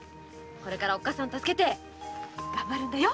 これからおっかさんを助けて頑張るんだよ。